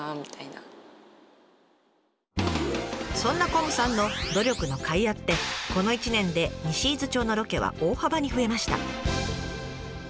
だから何かそんなこむさんの努力の甲斐あってこの１年で西伊豆町のロケは大幅に増えました。